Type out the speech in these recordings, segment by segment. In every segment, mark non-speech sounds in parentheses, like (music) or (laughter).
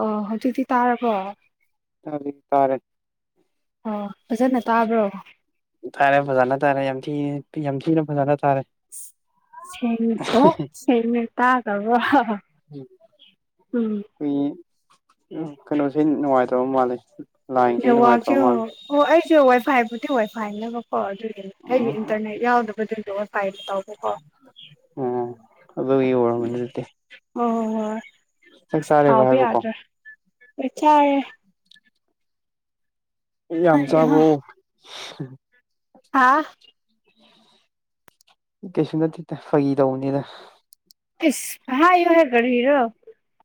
ꯑꯣ ꯍꯧꯖꯤꯛꯇꯤ ꯇꯥꯔꯕꯣ꯫ ꯇꯥꯕꯗꯤ ꯇꯥꯔꯦ꯫ ꯑꯣ ꯐꯖꯅ ꯇꯥꯕ꯭ꯔꯣ꯫ ꯎ ꯊꯥꯔꯦ ꯐꯖꯅ ꯇꯥꯔꯦ ꯌꯥꯝ ꯊꯤ ꯌꯥꯝ ꯊꯤꯅ ꯐꯖꯅ ꯇꯥꯔꯦ꯫ ꯁꯦꯡꯗꯣꯛ ꯁꯦꯡꯅ ꯇꯥꯗꯕꯔꯣ ꯍꯥ ꯍꯥ ꯫ ꯎꯝ ꯈꯣꯏꯒꯤ ꯀꯩꯅꯣꯁꯦ ꯅꯨꯡꯉꯥꯏꯇꯕ ꯃꯥꯜꯂꯦ꯫ ꯂꯥꯏꯟꯁꯦ ꯅꯨꯡꯉꯥꯏꯇꯕ ꯅꯦꯠꯋꯥꯛꯁꯦꯍꯣ ꯃꯥꯜꯂꯦ ꯑꯣ ꯑꯩꯁꯨ ꯋꯥꯏ ꯐꯥꯏꯕꯨꯗꯤ ꯋꯥꯏꯐꯥꯏꯅꯦꯕꯀꯣ ꯑꯗꯨ ꯑꯩꯒꯤ ꯎꯝ ꯏꯟꯇꯔꯅꯦꯠ ꯌꯥꯎꯗꯕꯗꯨꯒꯤ ꯌꯥꯏ ꯐꯥꯏꯗꯒꯤ ꯇꯧꯕ꯫ ꯑꯣ ꯑꯗꯨꯒꯤ ꯑꯣꯏꯔꯝꯃꯅꯤ ꯑꯗꯨꯗꯤ꯫ ꯑꯣ ꯍꯣꯏ ꯍꯣꯏ꯫ ꯆꯥꯛ ꯆꯥꯔꯦꯕ ꯁꯥꯎꯕ ꯍꯥꯏꯕ ꯀꯣ꯫ ꯌꯥꯗ꯭ꯔꯦ ꯍꯣꯏ ꯆꯥꯔꯦ꯫ (unintelligible) ꯌꯥꯝ ꯆꯥꯕ꯭ꯔꯣ꯫ ꯍꯥꯥ꯫ ꯀꯩꯁꯨ ꯅꯠꯇꯦꯗ ꯐꯥꯒꯤ ꯇꯧꯕꯅꯤꯗ꯫ ꯏꯁ ꯍꯥꯏꯌꯨꯍꯦ ꯀꯔꯤꯔꯣ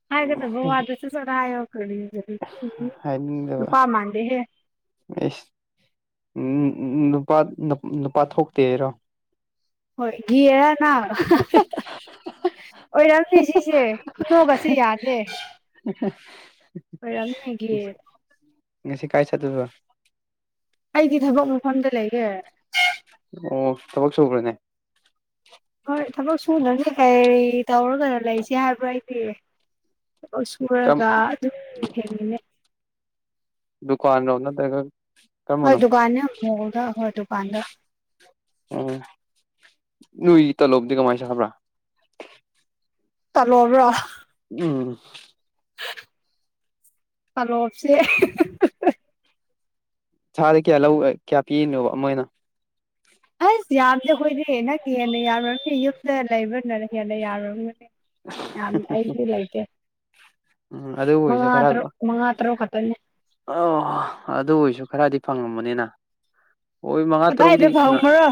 ꯍꯥꯏꯒꯗꯕ ꯋꯥꯗꯣ ꯁꯠ ꯁꯠ ꯍꯥꯏꯌꯣ ꯀꯔꯤ (unintelligible) ꯎꯝ (unintelligible) ꯍꯥꯏꯅꯤꯡꯗꯕ꯫ ꯅꯨꯄꯥ ꯃꯥꯟꯗꯦꯍꯦ ꯑꯦꯁ (unintelligible) ꯅꯨꯄꯥ ꯅꯨꯄꯥ ꯊꯣꯛꯇꯦꯔꯣ꯫ ꯍꯣꯏ ꯒꯦꯔꯥ (unintelligible) ꯑꯣꯏꯔꯝꯅꯤ ꯁꯤꯁꯦ ꯈꯨꯅꯣꯛꯀꯥꯁꯦ ꯌꯥꯗꯦ꯫ (unintelligible) ꯑꯣꯏꯔꯝꯅꯤ ꯒꯦ꯫ ꯉꯁꯤ ꯀꯥꯏ ꯆꯠꯇꯨꯏꯕ꯫ ꯑꯩꯗꯤ ꯊꯕꯛ ꯃꯐꯝꯗ ꯂꯩꯌꯦ꯫ ꯑꯣ ꯊꯕꯛ ꯁꯨꯕ꯭ꯔꯅꯦ꯫ ꯍꯣꯏ ꯊꯕꯛ ꯁꯨꯗ꯭ꯔꯗꯤ ꯀꯔꯤ ꯇꯧꯔꯒ ꯂꯩꯁꯦ ꯍꯥꯏꯕꯔ ꯑꯩꯗꯤ (unintelligible) ꯀꯔꯝ ꯁꯨꯔꯒ ꯑꯗꯨꯝ ꯍꯤꯡꯉꯤꯅꯦ꯫ ꯗꯨꯀꯥꯟꯔꯣ ꯅꯠꯇ꯭ꯔꯒ ꯍꯣꯏ ꯀꯔꯝꯕꯅꯣ ꯗꯨꯀꯥꯟꯅꯦ ꯃꯣꯜꯗ ꯍꯣꯏ ꯗꯨꯀꯥꯟꯗ꯫ ꯑꯣ ꯅꯣꯏ ꯇꯂꯣꯕꯗꯤ ꯀꯃꯥꯏ ꯁꯥꯕ꯭ꯔꯥ꯫ ꯇꯂꯣꯕꯔꯣ꯫ ꯎꯝ ꯇꯜꯂꯣꯞꯁꯦ (unintelligible) ꯊꯥꯗ ꯀꯌꯥ ꯂꯧ ꯀꯌꯥ ꯄꯤꯔꯤꯅꯣꯕ ꯃꯣꯏꯅ ꯑꯁ ꯌꯥꯝꯗꯦ ꯑꯈꯣꯏꯗꯤ ꯅꯪ ꯍꯦꯟꯅ ꯌꯥꯔꯝꯅꯤ ꯌꯨꯝꯗ ꯂꯩꯕꯅ ꯍꯦꯟꯅ ꯌꯥꯔꯝꯒꯅꯤ ꯌꯥꯝ ꯑꯩꯗꯤ ꯂꯩꯇꯦ ꯎꯝ ꯑꯗꯨ ꯑꯣꯏꯔꯁꯨ ꯃꯉꯥ ꯈꯔ ꯇꯔꯨꯛ ꯃꯉꯥ ꯇꯔꯨꯛ ꯈꯛꯇꯅꯤ ꯑꯣ ꯑꯗꯨ ꯑꯣꯏꯁꯨ ꯈꯔꯗꯤ ꯐꯪꯉꯝꯃꯅꯤꯅ ꯀꯗꯥꯏꯗ ꯐꯪꯃꯔꯥ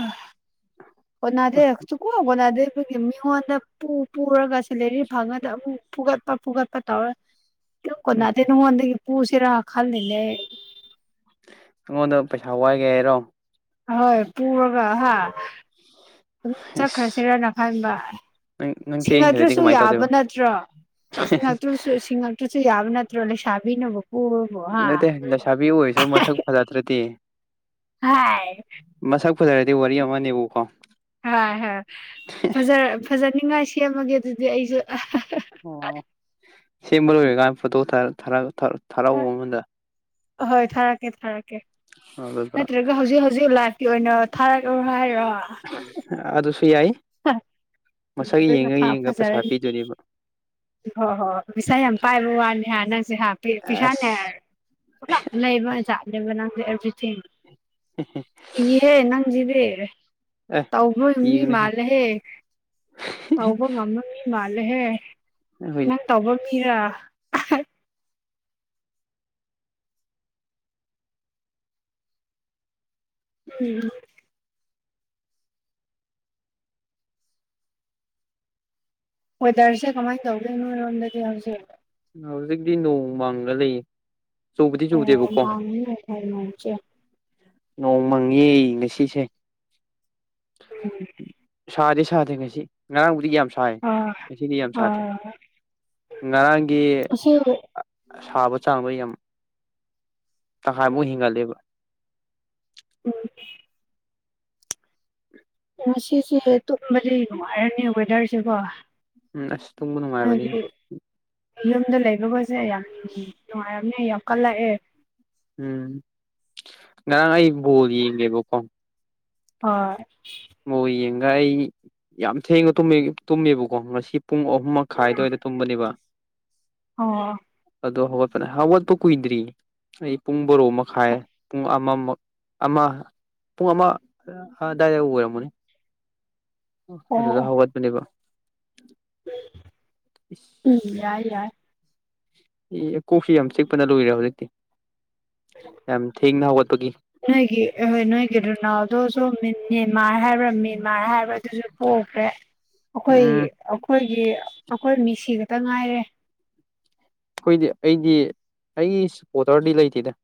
ꯀꯣꯟꯅꯥꯗꯦ ꯀꯣꯟ ꯀꯣꯟꯅꯗꯩ ꯑꯩꯈꯣꯏꯒꯤ ꯃꯤꯉꯣꯟꯗ ꯄꯨ ꯄꯨꯔꯒ ꯁꯦꯂꯦꯔꯤ ꯐꯪꯉꯗ ꯑꯃꯨꯛ ꯐꯨꯒꯠꯄ ꯐꯨꯒꯠꯄ ꯇꯧꯔ (inaudible) ꯀꯦꯝ ꯀꯣꯟꯅꯗꯦ ꯅꯪꯑꯣꯟꯗꯒꯤ ꯄꯨꯁꯤꯔ ꯈꯜꯅꯤꯂꯦ ꯑꯩ ꯑꯩꯉꯣꯟꯗ ꯄꯩꯁꯥ ꯋꯥꯏꯒꯦ ꯍꯥꯏꯔꯣ ꯑꯍꯣꯏ ꯄꯨꯔꯒ ꯍꯥ ꯑꯗꯨꯝ ꯏꯁ ꯆꯠꯈ꯭ꯔꯁꯤꯔ ꯅꯈꯟꯕ ꯅꯪ ꯅꯪ ꯆꯦꯟꯈ꯭ꯔꯗꯤ ꯁꯤꯡꯉꯛꯇ꯭ꯔꯁꯨ ꯀꯃꯥꯏꯅ ꯌꯥꯕ ꯇꯧꯗꯣꯏꯕ ꯅꯠꯇ꯭ꯔꯣ ꯁꯤꯡꯉꯛꯇ꯭ꯔꯁꯨꯁꯤꯡꯉꯛ ꯇ꯭ꯔꯁꯨ ꯌꯥꯕ ꯅꯠꯇ꯭ꯔꯣ ꯂꯩꯁꯥꯕꯤꯅꯕꯨ ꯄꯨ ꯅꯠꯇꯦ ꯂꯩꯁꯥꯕꯤ ꯑꯣꯏꯁꯨ ꯃꯁꯛ ꯐꯖꯗ꯭ꯔꯗꯤ ꯍꯥꯏ ꯃꯁꯛ ꯐꯖꯔꯗꯤ ꯋꯥꯔꯤ ꯑꯃꯅꯦꯕꯀꯣ ꯍꯣꯏ ꯍꯣꯏ ꯐꯖ꯭ꯔ ꯐꯖꯅꯤꯡꯉꯥꯏ ꯁꯦꯝꯃꯒꯦ ꯑꯗꯨꯗꯤ ꯑꯩꯖꯨ (unintelligible) ꯑꯣ ꯁꯦꯝꯕ ꯂꯣꯏꯔꯀꯥꯟ ꯐꯣꯇꯣ ꯊꯥꯔꯛ ꯊꯥꯔꯛ ꯊꯥꯔꯛ ꯊꯥꯔꯛꯎ ꯑꯃꯗ ꯑꯍꯣꯏ ꯊꯥꯔꯛꯀꯦ ꯊꯥꯔꯛꯀꯦ (unintelligible) ꯑꯗꯨ ꯍꯧꯖꯤꯛ ꯍꯧꯖꯤꯛ ꯂꯥꯏꯐꯀꯤ ꯑꯣꯏꯅ ꯊꯥꯔꯛꯎ ꯍꯥꯏꯔꯣ ꯑꯗꯨꯁꯨ ꯌꯥꯏ ꯍꯥ ꯃꯁꯛ ꯑꯗꯨꯅ ꯌꯦꯡꯉ ꯐꯥ ꯌꯦꯡꯉ ꯄꯩꯁꯥ ꯐꯖꯔꯅꯤ ꯄꯤꯗꯣꯏꯅꯦꯕ ꯍꯣꯏ ꯍꯣꯏ ꯄꯩꯁꯥ ꯌꯥꯝ ꯄꯥꯏꯕ ꯋꯥꯅꯤ ꯍꯥ ꯅꯪꯁꯦ ꯍꯥ ꯑꯁ ꯄꯩꯁꯥꯅ (unintelligible) (unintelligible) (unintelligible) ꯂꯦꯍꯦ ꯑꯦ ꯇꯧꯕ ꯀꯤꯒꯅꯨꯍꯦ ꯑꯩꯈꯣꯏ ꯉꯝꯕ ꯃꯤ ꯃꯥꯜꯂꯦꯍꯦ (unintelligible) ꯅꯪ ꯇꯧꯕ ꯃꯤꯔ ꯎꯝ ꯋꯦꯗꯔꯁꯦ ꯀꯃꯥꯏ ꯇꯧꯒꯦ ꯅꯣꯏꯔꯣꯟꯗꯗꯤ ꯍꯧꯖꯤꯛ ꯍꯧꯖꯤꯛꯇꯤ ꯅꯣꯡꯃꯥꯡꯒ ꯂꯩꯌꯦ ꯆꯨꯕꯗꯤ ꯆꯨꯗꯦꯕꯀꯣ (unintelligible) ꯅꯣꯡꯃꯪꯉꯦ ꯉꯁꯤꯁꯦ ꯎꯝ ꯁꯥꯗꯤ ꯁꯥꯗꯦ ꯉꯁꯤ ꯉꯔꯥꯡꯕꯨꯗꯤ ꯌꯥꯝ ꯁꯥꯏ ꯑꯥ ꯉꯁꯤꯗꯤ ꯌꯥꯝ ꯁꯥꯗꯦ ꯑꯥ ꯉꯔꯥꯡꯒꯤ ꯑꯁꯤ ꯁꯥꯕ ꯆꯥꯡꯗꯣ ꯌꯥꯝ ꯇꯈꯥꯏꯃꯨꯛ ꯍꯦꯟꯒꯠꯂꯦꯕ ꯎꯝ (inaudible) ꯁꯤꯁꯦ ꯇꯨꯝꯕꯗꯤ ꯅꯨꯡꯉꯥꯏꯔꯅꯤ ꯋꯦꯗꯔꯁꯦꯀꯣ ꯎꯝ ꯑꯁ ꯇꯨꯝꯕ ꯅꯨꯡꯉꯥꯏꯕꯅꯤ ꯍꯥꯏꯗꯤ ꯌꯨꯝꯗ ꯂꯩꯕꯒꯁꯦ ꯌꯥꯝ ꯅꯨꯡꯉꯥꯏꯔꯝꯅꯦ ꯌꯥꯝ ꯀꯜꯂꯛꯑꯦ ꯎꯝ ꯉꯔꯥꯡ ꯑꯩ ꯕꯣꯜ ꯌꯦꯡꯒꯦꯕꯀꯣ ꯍꯣꯏ ꯑꯣ ꯌꯦꯡꯒ ꯑꯩ ꯌꯥꯝ ꯊꯦꯡꯉꯃꯦ ꯇꯨꯝꯃꯦꯕꯀꯣ ꯉꯁꯤ ꯄꯨꯡ ꯑꯍꯨꯝ ꯃꯈꯥꯏꯗꯋꯥꯏꯗ ꯇꯨꯝꯕꯅꯦꯕ ꯑꯣ ꯑꯗꯣ ꯍꯧꯒꯠꯄꯅ ꯍꯧꯒꯠꯄ ꯀꯨꯏꯗ꯭ꯔꯤ ꯑꯩ ꯄꯨꯡ ꯕꯣꯔꯣ ꯃꯈꯥꯏ ꯄꯨꯡ ꯑꯃꯃ ꯑꯃ ꯄꯨꯡ ꯑꯃ ꯗꯥꯏꯔꯦꯛ ꯑꯣꯏꯔꯝꯃꯣꯅꯦ ꯑꯣ ꯑꯗꯨꯗ ꯍꯧꯒꯠꯄꯅꯦꯕ ꯎꯝ ꯌꯥꯏ ꯌꯥꯏ ꯑꯦ ꯀꯣꯛꯐꯤ ꯌꯥꯝ ꯆꯤꯛꯄꯅ ꯂꯣꯏꯔꯦ ꯍꯧꯖꯤꯛꯇꯤ ꯌꯥꯝ ꯊꯦꯡꯅ ꯍꯧꯒꯠꯄꯒꯤ ꯅꯣꯏꯒꯤ ꯑꯥꯍꯣꯏ ꯅꯣꯏꯒꯤ ꯔꯣꯅꯥꯜꯗꯁꯨ ꯃꯦꯟꯃꯥꯔ ꯍꯥꯏꯕ꯭ꯔꯥ ꯃꯦꯟꯃꯥꯔ ꯍꯥꯏꯕ꯭ꯔꯥ ꯑꯗꯨꯁꯨ ꯄꯣꯛꯈ꯭ꯔꯦ (inaudible) ꯑꯩꯈꯣꯏ ꯑꯩꯈꯣꯏꯒꯤ ꯑꯩꯈꯣꯏ ꯃꯤꯁꯤ ꯈꯛꯇ ꯉꯥꯏꯔꯦ ꯑꯩꯈꯣꯏꯗꯤ ꯑꯩꯗꯤ ꯑꯩꯒꯤ ꯁꯞꯄꯣꯔꯇꯔꯗꯤ ꯂꯩꯇꯦꯗ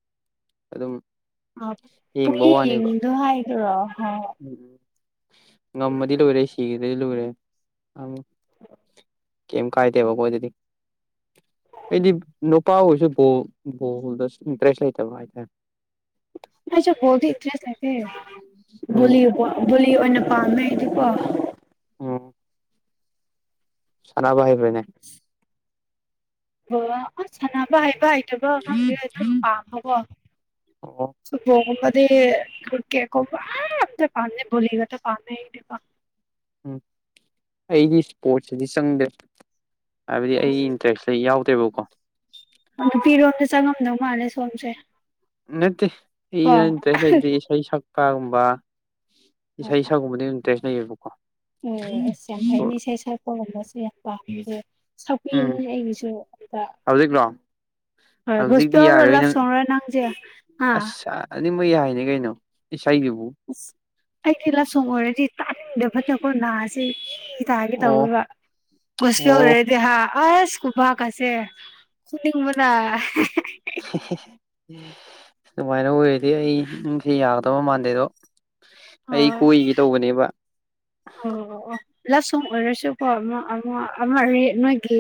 ꯑꯗꯨꯝ ꯌꯦꯡꯕ ꯋꯥꯅꯦꯕ (unintelligible) ꯉꯝꯃꯗꯤ ꯂꯣꯏꯔꯦ ꯁꯤꯒꯗꯗꯤ ꯂꯣꯏꯔꯦ ꯀꯩꯝ ꯀꯥꯏꯗꯦꯕ ꯑꯩꯈꯣꯏꯗꯗꯤ ꯑꯩꯗꯤ ꯅꯨꯄꯥ ꯑꯣꯏꯁꯨ ꯕꯣꯜ ꯕꯣꯜꯗ ꯏꯟꯇꯔꯦꯁ ꯂꯩꯇꯕ ꯍꯥꯏꯇꯥꯔꯦ ꯑꯩ ꯆꯀꯣꯜꯗꯤ ꯏꯇ꯭ꯔꯦꯁ ꯂꯩꯇꯦ ꯕꯨ ꯎꯝ ꯕꯨꯂꯤ ꯑꯣꯏꯅ ꯄꯥꯝꯃꯦ ꯑꯩꯗꯤꯀꯣ ꯑꯣ ꯁꯅꯥꯕ ꯍꯥꯏꯕ꯭ꯔꯅꯦ ꯑꯣ ꯑꯁ ꯁꯥꯟꯅꯕ ꯍꯩꯕ ꯍꯩꯇꯕ ꯈꯪꯗꯦ ꯑꯗꯨꯝ ꯄꯥꯝꯕꯀꯣ ꯑꯣ (unintelligible) (unintelligible) ꯎꯝ ꯑꯩꯗꯤ ꯏꯁꯄꯣꯔꯠꯁꯤꯗꯤ ꯆꯪꯗꯦ ꯍꯥꯏꯕꯗꯤ ꯑꯩꯒꯤ ꯏꯟꯇꯔꯦꯁ ꯌꯥꯎꯗꯦꯕꯀꯣ ꯅꯨꯐꯤꯔꯣꯝꯗ ꯆꯪꯉꯝꯗꯧ ꯃꯥꯜꯂꯦ ꯁꯣꯝꯁꯦ ꯅꯠꯇꯦ ꯀꯣ ꯑꯩꯅꯥ ꯏꯟꯇꯦꯔꯁ ꯂꯩꯕꯗꯤ ꯏꯁꯩ ꯁꯛꯄꯒꯨꯝꯕ ꯏꯁꯥ ꯏꯁꯥꯒꯨꯝꯕꯗꯤ ꯏꯟꯇꯔꯦꯁ ꯂꯩꯌꯦꯕꯀꯣ ꯎꯝ ꯑꯁ ꯌꯥꯐꯩꯅꯦ ꯏꯁꯩ ꯁꯛꯄꯒꯨꯝꯕꯁꯦ (unintelligible) ꯁꯛꯄꯤꯅꯦ ꯑꯩꯒꯤꯁꯨ ꯑꯝꯇ ꯍꯧꯖꯤꯛꯔꯣ ꯍꯣꯏ (unintelligible) ꯑꯅꯤ ꯃꯣꯏ ꯌꯥꯏꯅꯤ ꯀꯩꯅꯣ ꯏꯁꯩꯒꯤꯕꯨ ꯑꯁ ꯑꯩꯗꯤ ꯂꯁꯣꯡ ꯑꯣꯏꯔꯗꯤ ꯇꯥꯅꯤꯡꯗꯕ ꯅꯥꯀꯣ ꯅꯥꯁꯤ ꯑꯣ ꯑꯣ (unintelligible) ꯗꯦꯍꯥ ꯑ ꯏꯁ ꯀꯨꯕꯥꯛ ꯀ ꯑꯁꯦ ꯀꯨꯅꯤꯡꯕꯅ (unintelligible) (unintelligible) ꯑꯗꯨꯨꯃꯥꯏꯅ ꯑꯣꯏꯔꯗꯤ ꯑꯩ ꯅꯨꯡꯁ ꯌꯥꯒꯗꯕ ꯃꯥꯟꯗꯦꯗꯣ ꯑꯣ ꯑꯩ ꯀꯣꯏꯒꯦ ꯇꯧꯕꯅꯦꯕ ꯑꯣ ꯑꯣ ꯑꯣ ꯂꯁꯨꯡ ꯑꯣꯏꯔꯁꯨꯀꯣ ꯑꯃ ꯑꯃ ꯑꯃꯦ ꯅꯣꯏꯒꯤ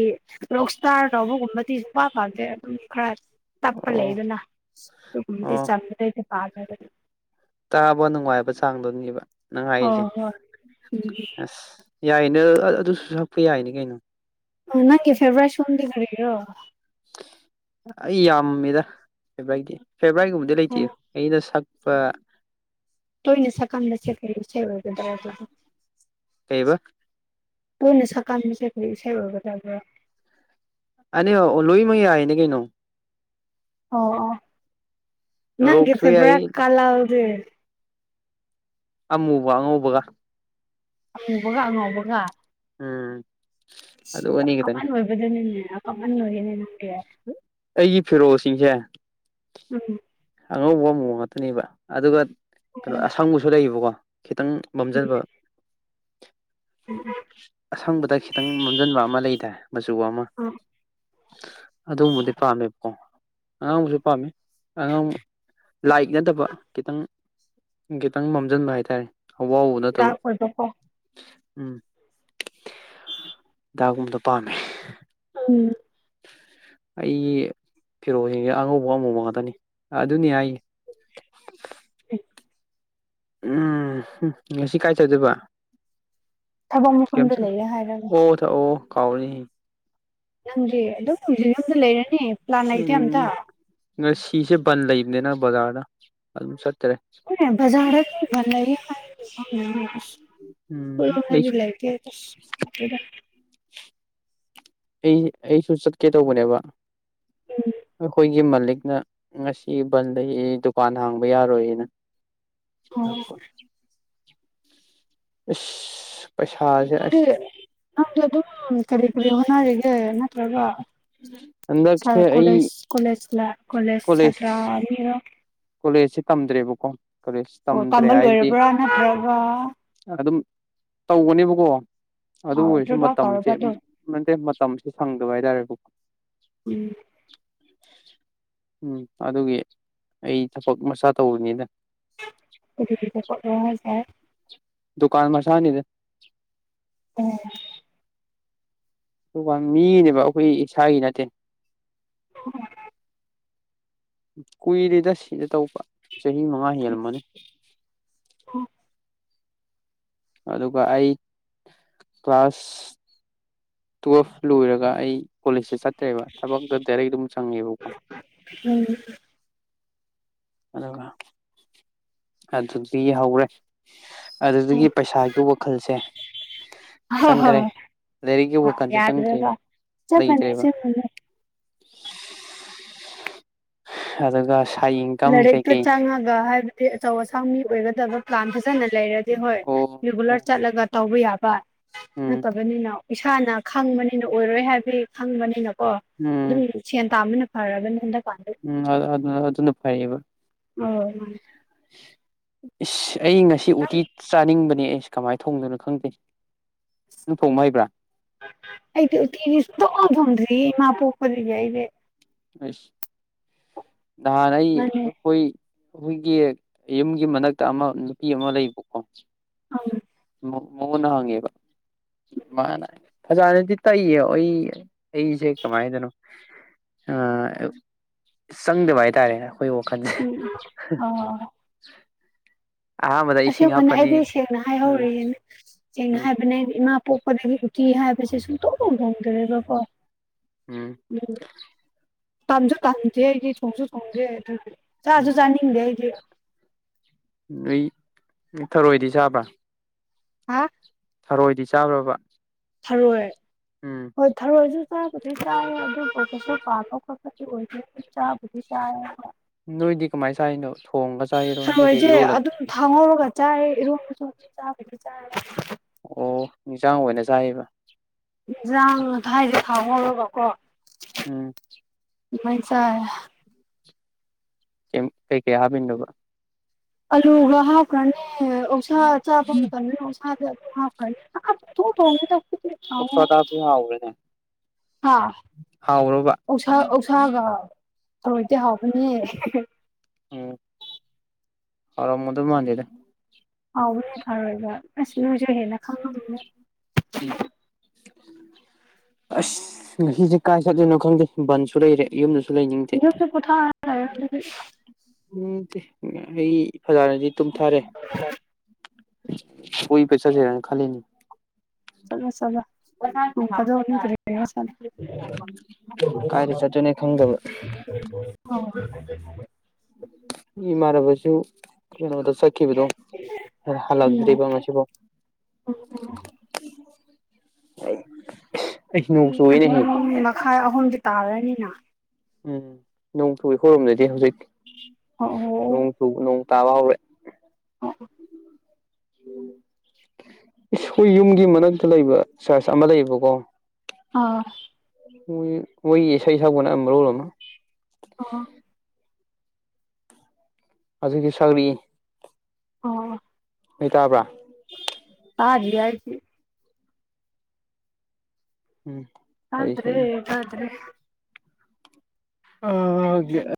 ꯔꯣꯛ ꯏꯁꯇꯥꯔ ꯇꯧꯕꯒꯨꯝꯕꯗꯤ ꯐꯪꯗꯦ ꯑꯗꯨꯝ ꯈꯔ ꯇꯄ ꯑꯣ ꯂꯩꯗꯅꯥ ꯑꯣ (unintelligible) ꯇꯥꯕ ꯅꯨꯡꯉꯥꯏꯕ ꯆꯥꯡꯗꯨꯅꯤꯕ ꯅꯪ ꯍꯣꯏ ꯍꯥꯏꯔꯤꯁꯦ ꯍꯣꯏ ꯎꯝ ꯑꯁ ꯌꯥꯏꯅꯦ ꯑꯗꯨꯁꯨ ꯍꯛꯄ ꯌꯥꯏꯅꯤ ꯀꯩꯅꯣ ꯅꯪꯒꯤ ꯐꯦꯕ꯭ꯔꯦꯠ ꯁꯣꯝꯗꯤ ꯀꯔꯤꯔꯣ ꯑꯩ ꯌꯥꯝꯃꯤꯗ ꯐꯦꯕꯔꯥꯢꯗꯤ ꯐꯦꯕ꯭ꯔꯥꯏꯒꯨꯝꯕꯗꯤ ꯂꯩꯇꯦ ꯍꯣꯏ ꯑꯩꯅ ꯁꯛ ꯄ ꯇꯣꯏꯅ ꯁꯀꯟꯕꯁꯦ ꯀꯩ ꯢꯁꯩ ꯑꯣꯢꯒꯗꯔ ꯑꯗꯨꯗꯤ ꯀꯩꯕ ꯇꯣꯢꯂ ꯁꯛꯀꯟꯕꯁꯦ ꯀꯩ ꯏꯁꯩ ꯑꯣꯏꯒ ꯗꯕ꯭ꯔꯥ (unintelligible) ꯂꯣꯏꯃ ꯌꯥꯏꯅꯦ ꯀꯩꯅꯣ ꯑꯣ ꯑꯣ ꯅꯪꯒꯤ ꯔꯣꯛꯁꯨ ꯐꯦꯕꯔꯥ ꯌꯥꯏ ꯀꯂꯥꯔꯗꯦ ꯑꯃꯨꯕ ꯑꯉꯧꯕꯒ ꯑꯃꯨꯕꯒ ꯑꯉꯧꯕꯒ ꯎꯝ ꯑꯗꯨ ꯌꯥꯝ ꯑꯅꯤ ꯈꯛꯇꯅꯤ ꯀꯃꯟ ꯑꯣꯏꯕꯗꯨꯅꯤꯅꯦ ꯀꯃꯟ ꯑꯣꯏꯌꯦꯅꯦ ꯅꯪꯗꯤ ꯑꯩꯒꯤ ꯐꯤꯔꯣꯜꯁꯤꯡꯁꯦ ꯎꯝ ꯑꯉꯧꯕ ꯑꯃꯨꯕ ꯉꯥꯛꯇꯅꯦꯕ ꯑꯗꯨꯒ ꯀꯩꯅꯣ ꯑꯁꯪꯕꯁꯨ ꯂꯩꯌꯦꯕꯀꯣ ꯈꯤꯇꯪ ꯃꯝꯖꯕ ꯑꯁꯪꯕꯗ ꯈꯤꯇꯪ ꯃꯝꯖꯟꯕ ꯑꯃ ꯂꯩꯗꯥꯏ ꯃꯆꯨ ꯑꯃ ꯎꯝ ꯑ ꯑꯗꯨꯒꯨꯝꯕꯗꯤ ꯄꯥꯝꯃꯦꯕꯀꯣ ꯑꯉꯥꯡꯕꯁꯨ ꯄꯥꯝꯃꯤ ꯑꯉꯥꯡ ꯂꯥꯏꯛ ꯅꯗꯕ ꯈꯤꯇꯪ ꯈꯤꯇꯪ ꯃꯝꯖꯟꯕ ꯍꯥꯏꯇꯥꯔꯦ ꯑꯋꯥꯥꯎꯕ ꯅꯠꯇꯕ ꯗꯥꯔꯛ ꯑꯣꯏꯕꯀꯣ ꯎꯝ ꯗꯒꯨꯝꯕꯗꯣ ꯄꯥꯝꯃꯦ ꯎꯝ ꯑꯩꯒꯤ ꯐꯤꯔꯣꯜꯖꯤꯡꯖꯦ ꯑꯉꯧꯕ ꯑꯃꯧꯕ ꯉꯥꯛꯇꯅꯤ ꯑꯗꯨꯅꯤ ꯑꯩ (unintelligible) ꯎꯝ ꯍꯨꯝ ꯉꯁꯤ ꯀꯥꯏ ꯆꯗꯣꯏꯕ ꯊꯕꯛ ꯀꯦꯝ ꯃꯐꯝꯗ ꯆꯠꯂꯣꯏ ꯂꯩꯔꯦ ꯍꯥꯏꯔꯒ ꯑꯣ ꯊ ꯑꯣ ꯀꯥꯎꯔꯦ ꯅꯪꯗꯤ ꯑꯗꯨꯝ ꯍꯧꯖꯤꯛ ꯌꯨꯝꯗ ꯂꯩꯔꯅꯤ ꯄ꯭ꯂꯥꯟ ꯂꯩꯇꯦ ꯑꯝꯇ ꯎꯝ ꯉꯁꯤꯁꯦ ꯕꯟ ꯂꯩꯕꯅꯤꯅ ꯕꯖꯥꯔꯗ ꯑꯗꯨꯝ ꯆꯠꯇꯔꯦ ꯕꯖꯥꯔꯗ ꯕꯟ ꯂꯩꯌꯦ (unintelligible) ꯎꯝ ꯑꯩꯈꯣꯢꯔꯣꯝꯗꯗꯤ ꯑꯩꯁꯨ ꯂꯩꯇꯦ ꯑꯁ (unintelligible) ꯑꯩ ꯑꯩꯁꯨ ꯆꯠꯀꯦ ꯇꯧꯕꯅꯦꯕ ꯑꯩꯈꯣꯏꯒꯤ ꯒꯤ ꯃꯂꯤꯛꯅ ꯉꯁꯤ ꯕꯟ ꯂꯩ ꯗꯨꯀꯥꯟ ꯍꯥꯡꯕ ꯌꯥꯔꯣꯏꯌꯦꯅ ꯑꯣ (unintelligible) ꯏꯁ ꯅꯪꯗꯤ ꯅꯪꯗꯤ ꯑꯗꯨꯝ ꯀꯔꯤ ꯀꯔꯤ ꯍꯣꯅꯔꯤꯒ ꯅꯠꯇ꯭ꯔꯒ ꯍꯟꯗꯛꯁꯦ ꯑꯩ ꯁꯥꯔꯀꯣꯂꯦꯖ ꯀꯣꯂꯦꯖꯂ ꯀꯂꯦꯖ ꯀꯣꯂꯦꯖ ꯁ꯭ꯇꯔ ꯑꯅꯤꯔꯣ ꯀꯣꯂꯦꯖꯁꯤ ꯇꯝꯗ꯭ꯔꯦꯕꯀꯣ ꯀꯣꯂꯦꯖ ꯑꯣ ꯇꯝꯗ꯭ꯔꯦ ꯇꯝꯕ ꯍꯥꯏꯕꯗꯤ ꯂꯣꯏꯔꯕ꯭ꯔꯥ ꯅꯠꯇ꯭ꯔꯒ ꯑꯗꯨꯝ ꯇꯧꯒꯅꯦꯕꯀꯣ ꯑꯗꯨ ꯑꯣꯏꯔꯁꯨ ꯗ꯭ꯔꯣꯞ ꯑꯥꯎꯠ ꯃꯇꯝꯖꯦ ꯇꯧꯔꯕ ꯑꯗꯨꯝ (unintelligible) ꯃꯇꯝꯁꯦ ꯁꯪꯗꯕ ꯍꯥꯏꯇꯥꯔꯦꯀꯨ ꯎꯝ ꯎꯝ ꯑꯗꯨꯒꯤ ꯑꯩ ꯊꯕꯛ ꯃꯆꯥ ꯇꯧꯕꯅꯤꯗ (unintelligible) ꯗꯨꯀꯥꯟ ꯃꯁꯥꯅꯤꯗ (unintelligible) ꯗꯨꯀꯥꯟ ꯃꯤꯅꯦꯕ ꯑꯩꯈꯣꯏ ꯏꯁꯥꯒꯤ ꯅꯠꯇꯦ (unintelligible) ꯀꯨꯏꯔꯦꯗ ꯁꯤꯗ ꯇꯧꯕ ꯆꯍꯤ ꯃꯉꯥ ꯍꯦꯜꯂꯝꯃꯅꯤ (unintelligible) ꯑꯗꯨꯒ ꯑꯩ ꯀ꯭ꯂꯥꯁ ꯇꯨꯌꯦꯜꯐ ꯂꯣꯏꯔꯒ ꯑꯩ ꯀꯣꯂꯦꯖꯁꯦ ꯆꯠꯇ꯭ꯔꯦꯕ ꯊꯕꯛꯇ ꯗꯥꯏꯔꯦꯛ ꯑꯗꯨꯝ ꯆꯪꯉꯦꯕꯀꯣ (inaudible) ꯑꯗꯨꯒ ꯑꯗꯨꯗꯤ ꯍꯧꯔꯦ ꯑꯗꯨꯗꯒꯤ ꯄꯩꯁꯥꯒꯤ ꯋꯥꯈꯜꯁꯦ ꯆꯪꯈꯔꯦ ꯂꯥꯏꯔꯤꯛ ꯌꯥꯗ꯭ꯔꯑꯦꯗ ꯆꯞ ꯃꯅꯩ ꯆꯞ ꯃꯅꯩ ꯑꯗꯨꯒ ꯁꯥꯏ ꯏꯟꯀꯝ ꯂꯥꯏꯔꯤꯛꯇ ꯀꯩꯀꯩ ꯆꯪꯉꯒ ꯍꯥꯏꯕꯗꯤ ꯑꯆꯧ ꯑꯁꯥꯡ ꯃꯤ ꯑꯣꯏꯒꯗꯕ ꯄ꯭ꯂꯥꯟ ꯐꯖꯅ ꯂꯩꯔꯗꯤ ꯍꯣꯏ ꯑꯣ ꯔꯤꯒꯨꯂꯔ ꯑꯣ ꯆꯠꯂꯒ ꯇꯧꯕ ꯌꯥꯕ ꯎꯝ ꯅꯠꯇꯕꯅꯤꯅ ꯏꯁꯥꯅ ꯈꯪꯕꯅꯤꯅ ꯑꯣꯏꯔꯣꯏ ꯍꯥꯏꯕꯩ ꯈꯪꯕꯅꯤꯅꯀꯣ ꯎꯝ ꯑꯗꯨꯝ ꯁꯦꯟ ꯇꯥꯟꯕꯅ ꯐꯔꯕꯅꯑꯦ ꯍꯟꯗꯛꯀꯥꯟꯗꯤ ꯎꯝ ꯑꯗꯨ ꯑꯗꯨꯅ ꯐꯩꯕ (unintelligible) ꯑꯣ (inaudible) ꯏꯁ ꯑꯩ ꯉꯁꯤ ꯎꯇꯤ ꯆꯥꯅꯤꯡꯕꯅꯦ ꯑꯩꯁꯑꯦ ꯀꯃꯥꯏꯅ ꯊꯣꯡꯗꯣꯏꯅꯣ ꯈꯪꯗꯦ ꯅꯪ ꯊꯣꯡꯕ ꯍꯩꯕ꯭ꯔꯥ ꯑꯩꯗꯤ ꯎꯇꯤꯗꯤ ꯁꯨꯛꯊꯣꯡ ꯊꯑꯣꯡꯗꯔ꯭ꯤꯌꯦ ꯏꯃꯥ ꯄꯑꯣꯛꯄꯥꯗꯒꯤ ꯑꯩꯗꯤ ꯍꯩꯁ ꯅꯍꯥꯟ ꯑꯩ ꯃꯥꯅꯦ ꯑꯩꯈꯣꯏ ꯑꯩꯈꯣꯏꯒꯤ ꯌꯨꯝꯒꯤ ꯃꯅꯥꯛꯇ ꯑꯃ ꯅꯨꯄꯤ ꯑꯃ ꯂꯩꯕꯀꯣ ꯑꯪ (inaudible) ꯃꯅ ꯍꯪꯉꯦꯕ ꯃꯥꯅ ꯐꯖꯥꯅꯗꯤ ꯇꯩꯌꯦ ꯑꯩ (unintelligible) ꯑꯩꯁꯦ ꯀꯃꯥꯏꯅꯅꯣ ꯑꯥ ꯆꯪꯗꯕ ꯍꯥꯏꯇꯥꯔꯦꯅꯦ ꯑꯩꯈꯣꯏ ꯋꯥꯈꯜꯁꯦ ꯎꯝ ꯍꯥ ꯑꯣ ꯑꯍꯥꯟꯕꯗ ꯏꯁꯤꯡ ꯑꯁꯑꯦꯡꯕꯅꯦ ꯍꯥꯞꯄꯅꯤ ꯑꯩꯗꯤ ꯁꯦꯡꯅ ꯎꯝ ꯍꯥꯏꯍꯧꯔꯤꯁꯤꯅꯤ ꯁꯦꯡꯅ ꯎꯝ ꯍꯥꯏꯕꯅꯑꯦ ꯑꯩꯗꯤ ꯏꯃꯥ ꯄꯣꯛꯄꯗꯒꯤ ꯎꯇꯤ ꯍꯥꯏꯕꯁꯦ ꯁꯨꯡꯊꯣꯡ ꯊꯑꯣꯡꯗ꯭ꯔꯦꯕꯀꯣ ꯎꯝ ꯇꯝꯁꯨ ꯇꯝꯗꯦ ꯑꯩꯗꯤ ꯊꯣꯡꯁꯨ ꯊꯣꯡꯗꯦ (unintelligible) ꯑꯩꯗꯤ ꯎꯝ ꯆꯥꯁꯨ ꯆꯥꯅꯤꯡꯗꯦ ꯑꯩꯗꯤ ꯑꯩ ꯅꯪ ꯊꯔꯣꯏꯗꯤ ꯆꯥꯕ꯭ꯔꯥ ꯍꯥ ꯊꯔꯣꯏꯗꯤ ꯆꯥꯕꯔꯥ ꯕꯥ ꯊꯔꯣꯏ ꯍꯣꯏ ꯊꯔꯣꯏꯁꯨ ꯆꯥꯕꯨꯗꯤ ꯆꯥꯌꯦ ꯑꯗꯨꯕꯨ ꯐꯖꯅꯥ ꯄꯥꯝꯕꯗꯤ ꯑꯣꯏꯗꯦ ꯆꯥꯕꯨꯗꯤ ꯆꯥꯏ (inaudible) ꯅꯣꯏꯗꯤ ꯀꯃꯥꯏꯅ ꯆꯥꯏꯅꯣ ꯊꯣꯡꯉꯒ ꯆꯥꯏꯔꯣ ꯅꯠꯇ꯭ꯔꯒ ꯊꯔꯣꯏꯁꯦ ꯏꯔꯣꯜꯂ ꯑꯗꯨꯝ ꯊꯥꯎ ꯉꯧꯔꯒ ꯆꯥꯌꯑꯦ ꯏꯔꯣꯟꯕꯁꯨ ꯆꯥꯕꯗꯤ ꯆꯥꯔꯦ ꯑꯣ ꯏꯟꯖꯥꯡ ꯑꯣꯏꯅ ꯆꯥꯌꯑꯦꯕ ꯏꯟꯖꯥꯡ ꯍꯥꯏꯗꯤ ꯊꯥꯎ ꯉꯧꯔꯒꯀꯣ ꯎꯝ ꯑꯗꯨꯃꯥꯏꯅꯥ ꯆꯥꯌꯦ ꯀꯦꯝ ꯀꯩ ꯀꯩ ꯍꯞꯄꯤꯅꯣꯕꯥ ꯑꯂꯨꯒꯥ ꯍꯥꯎꯞꯈ꯭ꯔꯅꯤ ꯑꯣꯛꯁꯥ ꯆꯥꯕ ꯃꯥ ꯇꯜꯂꯦ ꯑꯣꯛꯁꯗꯤ ꯑꯗꯨ ꯍꯞꯈꯔ꯭ꯗꯤ ꯑꯥ ꯄꯨꯡꯊꯣꯡ ꯊꯣꯡꯉꯑꯦꯗꯥ ꯑꯣꯛꯁꯥꯗ ꯍꯞꯄꯗꯤ ꯍꯥꯎꯕꯔꯥꯅꯦ ꯍꯥꯥ ꯑꯣꯛꯁꯥ ꯑꯣꯛꯁꯥꯒꯥ ꯊꯔꯣꯏꯗꯤ ꯍꯥꯎꯕꯅꯦ ꯍꯦ ꯍꯦ ꯎꯝ ꯍꯥꯎꯔꯝꯒꯗꯧ ꯃꯥꯟꯗꯦꯗꯥ ꯍꯥꯎꯕꯅꯦ ꯐꯔꯣꯏꯕ ꯑꯁ ꯅꯣꯏꯖꯨ ꯍꯦꯟꯅ ꯈꯪꯉꯝꯕ (inaudible) ꯑꯁ ꯉꯁꯤꯁꯦ ꯀꯥꯏ ꯆꯠꯂꯤꯅꯣ ꯈꯪꯗꯦ ꯕꯟꯁꯨ ꯂꯩꯔꯦ ꯌꯨꯝꯗꯁꯨ ꯂꯩꯅꯤꯡ (unintelligible) (unintelligible) ꯐꯖꯥꯅꯗꯤ ꯇꯨꯝꯊꯥꯔꯦ ꯀꯣꯏꯄ ꯆꯠꯁꯦꯔꯅ ꯈꯜꯂꯤꯅꯤ ꯆꯂꯣ ꯆꯂ (unintelligible) ꯀꯥꯏꯗ ꯆꯠꯇꯣꯏꯅꯦ ꯈꯪꯗꯕ (unintelligible) ꯏꯃꯔ ꯕꯁꯨ ꯀꯩꯅꯣꯗ ꯆꯠꯈꯤꯕꯗꯣ ꯍꯜꯂꯗ꯭ꯔꯤꯕ ꯃꯁꯤꯐꯥꯎ (inaudible) (unintelligible) ꯆꯨꯏꯅꯦꯍꯦ ꯑꯅꯤ ꯃꯈꯥꯏ ꯑꯍꯨꯝꯗꯤ ꯇꯥꯔꯅꯤꯅ ꯎꯝ ꯅꯣꯡꯊꯨꯒꯤ ꯈꯣꯏꯔꯨꯝꯗꯗꯤ ꯍꯧꯖꯤꯛ ꯑꯣ ꯅꯣꯡ ꯆꯨꯕꯥ ꯅꯣꯡ ꯇꯥꯕ ꯍꯧꯔꯦ (inaudible) ꯏꯁ ꯑꯩꯈꯣꯏ ꯌꯨꯝꯒꯤ ꯃꯛꯇ ꯂꯩꯕ ꯆꯔꯆ ꯑꯃ ꯂꯩꯕꯀꯣ ꯑꯥ ꯃꯣꯏ ꯃꯣꯏ ꯏꯁꯩ ꯁꯛꯄꯅ ꯑꯃ ꯃꯔꯣꯜ ꯑꯃ ꯑꯣ ꯑꯖꯤꯛꯀꯤ ꯁꯔꯤ ꯑꯣ ꯅꯣꯏ ꯇꯥꯕ꯭ꯔꯥ ꯇꯗꯦ ꯑꯩꯗꯤ ꯎꯝ ꯑꯗꯨ ꯏꯁꯩ ꯇꯥꯗ꯭ꯔꯦ ꯇꯥꯗ꯭ꯔꯦ (unintelligible)